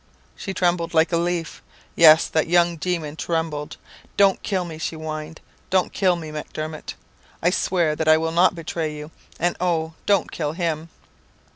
"She trembled like a leaf. Yes, that young demon trembled. 'Don't kill me,' she whined, 'don't kill me, Macdermot! I swear that I will not betray you; and oh, don't kill him!'